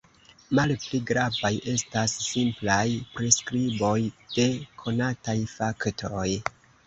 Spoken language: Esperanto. Malpli gravaj estas simplaj priskriboj de konataj faktoj.